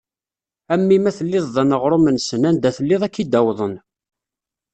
A mmi ma telliḍ d aneɣrum-nsen, anda telliḍ ad ak-id-awḍen.